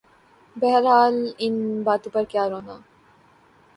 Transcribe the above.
بہرحال ان باتوں پہ کیا رونا۔